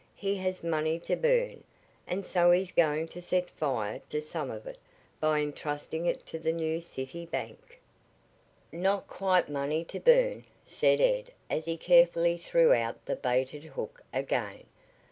He has money to burn, and so he's going to set fire to some of it by entrusting it to the New City Bank. "Not quite money to burn," said Ed as he carefully threw out the baited hook again.